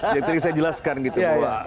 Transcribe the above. yang tadi saya jelaskan gitu